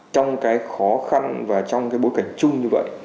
trong cái khó khăn và trong cái bối cảnh chung như vậy